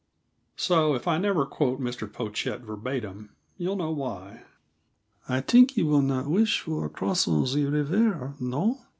So if I never quote Mr. Pochette verbatim, you'll know why. "I theenk you will not wish for cross on the reever, no?"